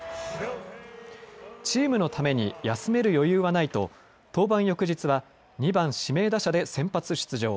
チームのために休める余裕はないと登板翌日は２番・指名打者で先発出場。